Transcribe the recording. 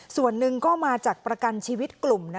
ส่วนหนึ่งก็มาจากประกันชีวิตกลุ่ม